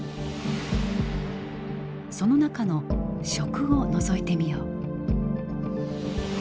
その中の「食」をのぞいてみよう。